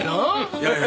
いやいや。